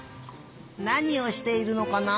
なにをしているのかな？